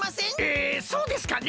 えそうですかね？